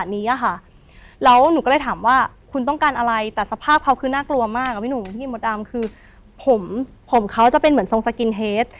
พี่หนุ่มพี่มดอำคือผมเขาจะเป็นเหมือนทรงสกินเทส